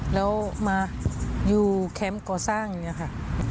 แล้วมาอยู่แคมป์ก่อสร้างอย่างนี้ค่ะ